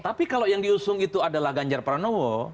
tapi kalau yang diusung itu adalah ganjar pranowo